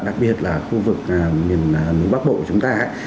đặc biệt là khu vực miền bắc bộ chúng ta ấy